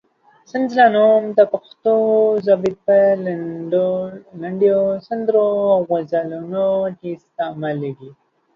سنځله نوم د پښتو ژبې په لنډیو، سندرو او غزلونو کې استعمالېږي.